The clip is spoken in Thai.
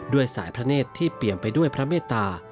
ด้วยสายพระเนธที่เปลี่ยนไปด้วยพระเมตตา